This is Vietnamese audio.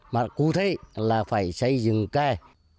mà cụ thể là phải xây dựng cây